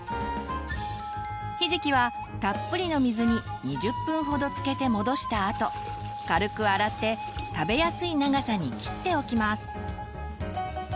ひじきはたっぷりの水に２０分ほどつけてもどしたあと軽く洗って食べやすい長さに切っておきます。